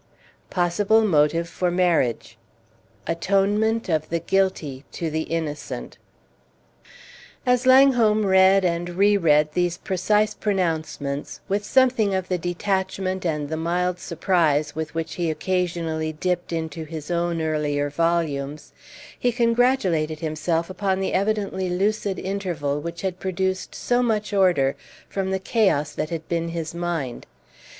Possible Motive for Marriage Atonement of the Guilty to the Innocent. As Langholm read and re read these precise pronouncements, with something of the detachment and the mild surprise with which he occasionally dipped into his own earlier volumes, he congratulated himself upon the evidently lucid interval which had produced so much order from the chaos that had been his mind.